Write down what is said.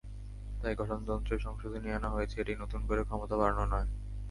তাই গঠনতন্ত্রে সংশোধনী আনা হয়েছে, এটি নতুন করে ক্ষমতা বাড়ানো নয়।